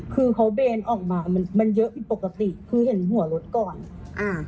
คือเขาเบนออกมามันมันเยอะผิดปกติคือเห็นหัวรถก่อนอ่า